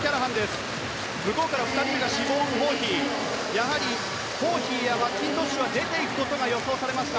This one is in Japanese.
やはりホーヒーやマッキントッシュは出ていくことが予想されます。